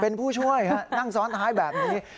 เป็นผู้ช่วยฮะนั่งซ้อนท้ายแบบนี้